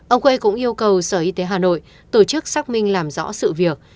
ông quê cũng yêu cầu sở y tế hà nội tổ chức xác minh làm rõ sự việc